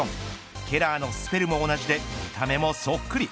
ケラーのスペルも同じで見た目もそっくり。